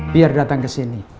biar datang kesini